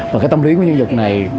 và cái tâm lý của nhân vật này